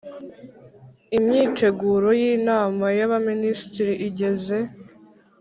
imyiteguro y Inama y Abaminisitiri igeze